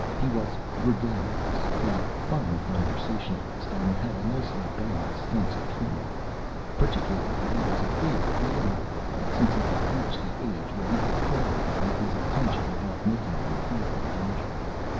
He was gregarious, a fine conversationalist, and had a nicely balanced sense of humor. Particularly, he was a favorite of the younger women, since he had reached the age where he could flatter them with his attention without making them feel endangered.